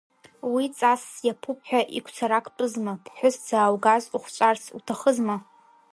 Уи ҵасс иаԥуп ҳәа игәцарактәызма, ԥҳәыс дзааугаз, ухҵәарц уҭахызма?!